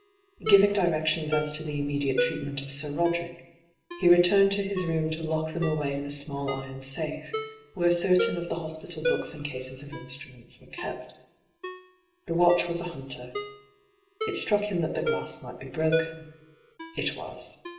Giving directions as to the immediate treatment of Sir Roderick, he returned to his room to lock them away in a small iron safe, where certain of the hospital books and cases of instruments were kept. The watch was a hunter. It struck him that the glass might be broken. It was.